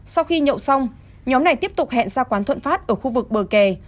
sau khi nhậu xong nhóm này tiếp tục hẹn ra quán thuận phát ở khu vực bờ kè